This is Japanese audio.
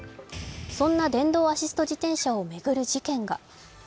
そんな電動アシスト自転車を巡る事件が。